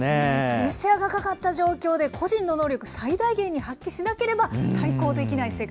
プレッシャーがかかった状況で個人の能力、最大限に発揮しなければ対抗できない世界。